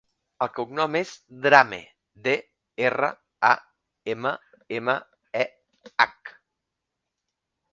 El cognom és Drammeh: de, erra, a, ema, ema, e, hac.